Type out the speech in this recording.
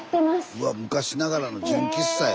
うわっ昔ながらの純喫茶や。